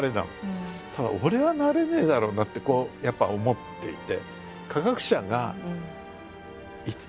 ただ俺はなれねえだろうなってこうやっぱ思っていて。